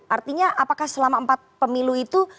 artinya apakah selama empat pemilu itu